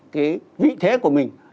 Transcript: cái vị thế của mình